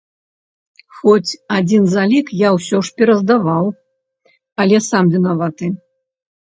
Хоць адзін залік я ўсё ж пераздаваў, але сам вінаваты.